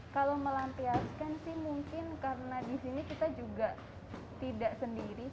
kalau melampiaskan sih mungkin karena di sini kita juga tidak sendiri